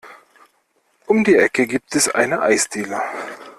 Um die Ecke gibt es eine Eisdiele.